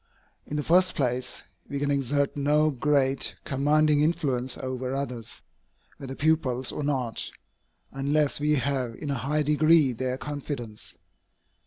In the first place, we can exert no great, commanding influence over others, whether pupils or not, unless we have in a high degree their confidence.